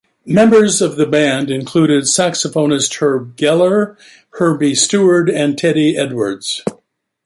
Members of the band included saxophonists Herb Geller, Herbie Steward, and Teddy Edwards.